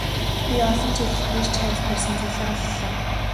Би олон жил эрж хайж байсан зүйлээ оллоо.